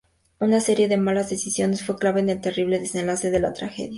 Una serie de malas decisiones fue clave en el terrible desenlace de la tragedia.